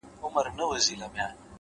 • داسي زور نه وو چي نه یې وي منلي,